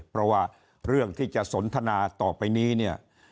เพราะว่าเรื่องที่จะสนทนาต่อไปนี้เนี่ย